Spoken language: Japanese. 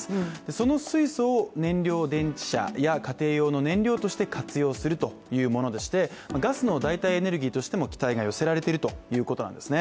その水素を燃料電池車や家庭用の燃料として活用するというものでしてガスの代替エネルギーとしても期待が寄せられているということなんです